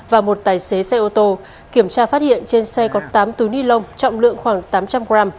và một tài xế xe ô tô kiểm tra phát hiện trên xe có tám túi ni lông trọng lượng khoảng tám trăm linh gram